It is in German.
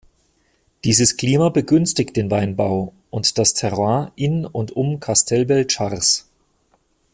Dieses Klima begünstigt den Weinbau und das Terroir in und um Kastelbell-Tschars.